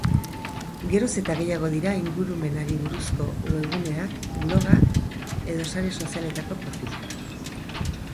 Geroz eta gehiago dira ingurumenari buruzko webguneak, blogak edo sare sozialetako profilak.